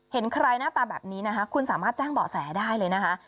เห็นใครหน้าตาแบบนี้นะคะคุณสามารถแจ้งเบาะแสได้เลยนะคะ